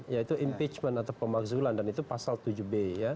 yaitu impeachment atau pemanggzulan dan itu pasal tujuh b